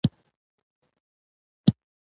ملګری د نیک نیت لور دی